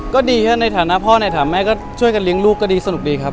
ก็ดีครับในฐานะพ่อในฐานะแม่ก็ช่วยกันเลี้ยงลูกก็ดีสนุกดีครับ